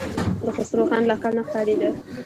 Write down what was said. د خسرو خان لښکر نه ښکارېده.